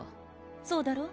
そうだろう？